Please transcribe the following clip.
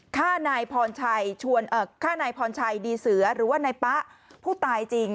ฆ่านายพรชัยฆ่านายพรชัยดีเสือหรือว่านายป๊ะผู้ตายจริง